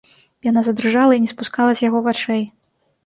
Яна задрыжала і не спускала з яго вачэй.